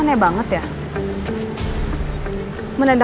kalian berada sama siapa